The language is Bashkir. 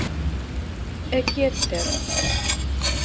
ӘКИӘТТӘР